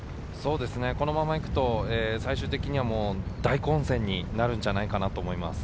このままいくと最終的には大混戦になるんじゃないかなと思います。